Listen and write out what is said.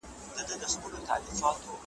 پر خوبونو یې جگړې دي د خوارانو ,